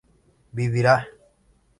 vivirá